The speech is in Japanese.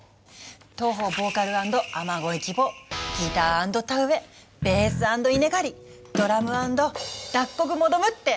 当方ボーカル＆雨乞い希望ギター＆田植えベース＆稲刈りドラム＆脱穀求むって。